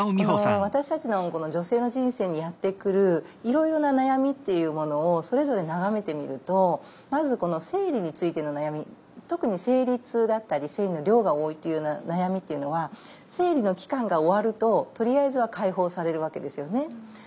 この私たちの女性の人生にやって来るいろいろな悩みっていうものをそれぞれ眺めてみるとまずこの生理についての悩み特に生理痛だったり生理の量が多いというような悩みっていうのは生理の期間が終わるととりあえずは解放されるわけですよね。